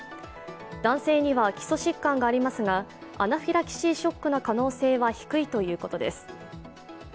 男性には基礎疾患がありますが、アナフィラキシーショックの可能性は低いということです。